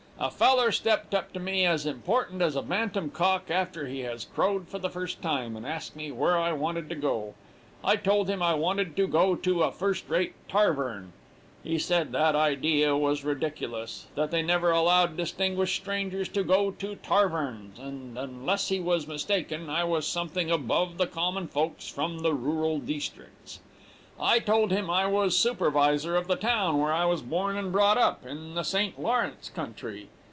A feller stepped up to me as important as a bantam cock after he has crowed for the first time, and asked me where I wanted to go. I told him I wanted tu go tu a first rate tarvern. He said that idea was ridiculous; that they never allowed distinguished strangers tu go tu tarverns, and, unless he was mistaken, I was something above the common folks from the rooral deestricts. I told him I was supervisor of the town where I was born and brought up, in the St. Lawrence country.